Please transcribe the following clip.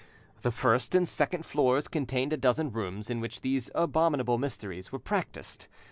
The first and second floors contained a dozen rooms in which these abominable mysteries were practised.